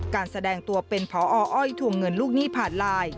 การแสดงตัวเป็นพออท่วงเงินลูกนี่ผ่านลาย